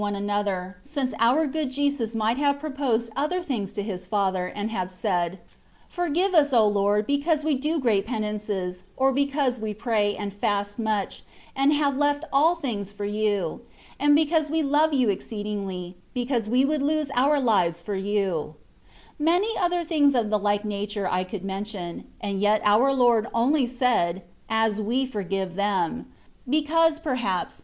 one another, since our good Jesus might have pro posed other things to His Father, and have said, *' Forgive us, O Lord, because we do great penances, or because we pray and fast much, and have left all things for yoUy and because we love you exceedingly, because we would lose our lives for you/^ Many other things of the Uke nature I could mention ; aud yet our Lord only said, ^^ As we forgive them ;^^ because, perhaps.